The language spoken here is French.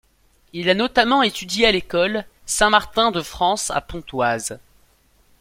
Il a notamment étudié à l'école Saint-Martin de France à Pontoise.